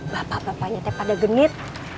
bapak bapaknya pada genit